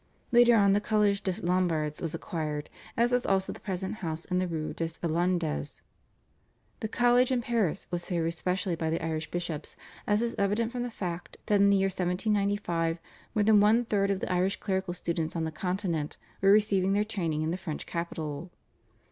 Later on the Collège des Lombards was acquired, as was also the present house in the Rue des Irlandais. The college in Paris was favoured specially by the Irish bishops, as is evident from the fact that in the year 1795 more than one third of the Irish clerical students on the Continent were receiving their training in the French capital.